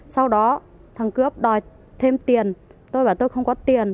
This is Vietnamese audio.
sau đó thăng cướp đòi thêm tiền tôi bảo tôi không có tiền